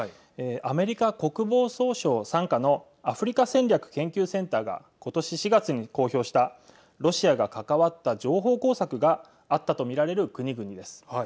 アメリカ国防総省傘下のアフリカ戦略研究センターが今年４月に公表したロシアが関わった情報工作があったと見られる国々です。